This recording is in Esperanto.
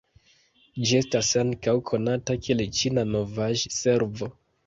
Ĝi estas ankaŭ konata kiel Ĉina Novaĵ-Servo.